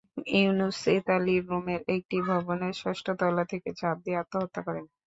ইউনুস ইতালির রোমের একটি ভবনের ষষ্ঠ তলা থেকে ঝাঁপ দিয়ে আত্মহত্যা করেন।